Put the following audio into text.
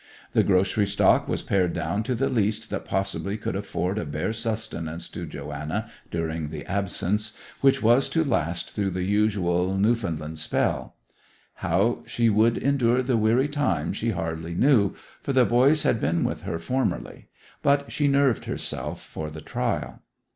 The grocery stock was pared down to the least that possibly could afford a bare sustenance to Joanna during the absence, which was to last through the usual 'New f'nland spell.' How she would endure the weary time she hardly knew, for the boys had been with her formerly; but she nerved herself for the trial.